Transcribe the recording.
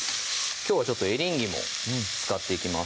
きょうはちょっとエリンギも使っていきます